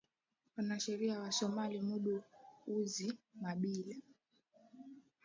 wanasheria wa somali mudu uzi mabila